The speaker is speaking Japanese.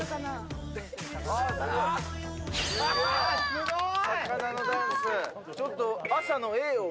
すごーい！